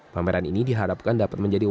pameran ini diharapkan dapat menjadi